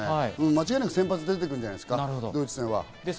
間違いなく先発で出てくるんじゃないですか、ドイツ戦は。